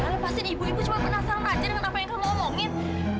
lepasin ibu ibu cuma penasaran aja dengan apa yang kamu omongin